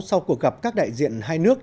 sau cuộc gặp các đại diện hai nước